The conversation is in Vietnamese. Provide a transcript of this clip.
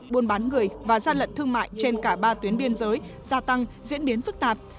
buôn bán người và gian lận thương mại trên cả ba tuyến biên giới gia tăng diễn biến phức tạp